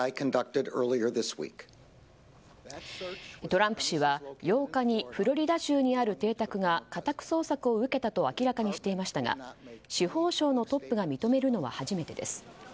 トランプ氏は８日にフロリダ州にある邸宅が家宅捜索を受けたと明らかにしていましたが司法省のトップが認めるのは初めてです。